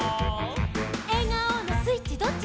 「えがおのスイッチどっち？」